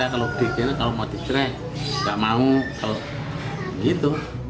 kalau dikira kalau mau dicerai nggak mau kalau gitu